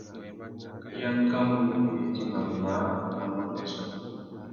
I akamú widjima māh má mangazú.